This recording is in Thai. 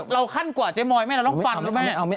เราขั้นกว่าเจมอยด์แม่เราต้องฟันหรือแม่